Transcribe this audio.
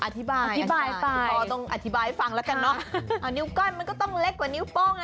ทำไมนิ้วก้อยมันถึงเล็กกว่านิ้วโป้ง